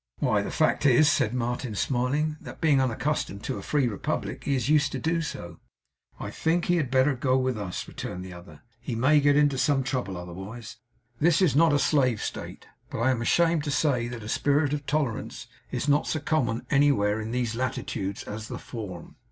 'Why, the fact is,' said Martin, smiling, 'that being unaccustomed to a free republic, he is used to do so.' 'I think he had better go with us,' returned the other. 'He may get into some trouble otherwise. This is not a slave State; but I am ashamed to say that a spirit of Tolerance is not so common anywhere in these latitudes as the form.